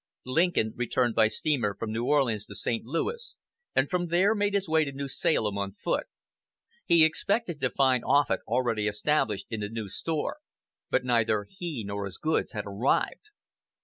Lincoln returned by steamer from New Orleans to St. Louis, and from there made his way to New Salem on foot. He expected to find Offut already established in the new store, but neither he nor his goods had arrived.